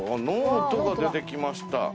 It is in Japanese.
ノートが出てきました。